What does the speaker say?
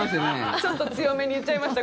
ちょっと強めに言っちゃいました。